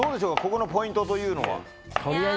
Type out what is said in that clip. ここのポイントというのは。